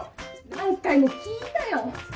何回も聞いたよ！